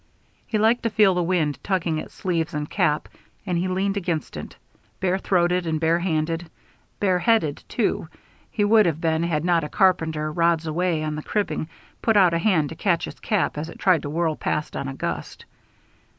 He liked to feel the wind tugging at sleeves and cap, and he leaned against it, bare throated and bare handed bare headed, too, he would have been had not a carpenter, rods away on the cribbing, put out a hand to catch his cap as it tried to whirl past on a gust.